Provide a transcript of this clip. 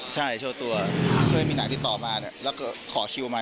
ใช่โชว์ตัวเคยมีหนังติดต่อมาแล้วก็ขอคิวมา